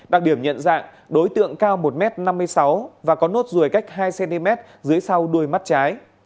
đặc điểm nhận dạng đối tượng cao một m năm mươi sáu và có nốt ruồi cách hai cm dưới sau đuôi mắt trái